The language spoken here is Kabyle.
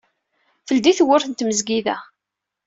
Teldi tewwurt n tmezgida.